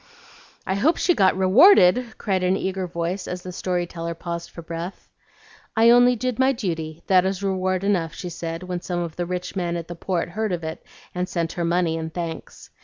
"I hope she got rewarded," cried an eager voice, as the story teller paused for breath. "'I only did my duty; that is reward enough,' she said, when some of the rich men at the Port heard of it and sent her money and thanks.